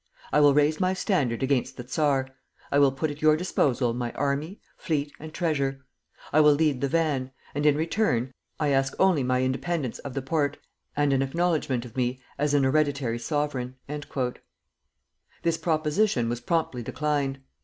I will raise my standard against the czar; I will put at your disposal my army, fleet, and treasure; I will lead the van; and in return I ask only my independence of the Porte and an acknowledgment of me as an hereditary sovereign." This proposition was promptly declined.